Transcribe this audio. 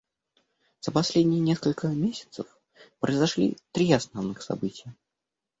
За последние несколько месяцев произошли три основных события.